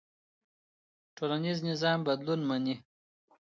ټولنيز نظام بدلون مني.